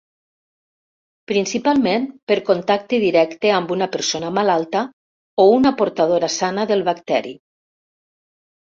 Principalment per contacte directe amb una persona malalta o una portadora sana del bacteri.